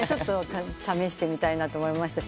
試してみたいなと思いましたし。